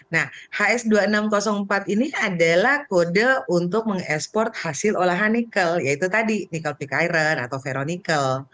nah hs dua ribu enam ratus empat ini adalah kode untuk mengekspor hasil olahan nikel yaitu tadi nikel pick iron atau veronical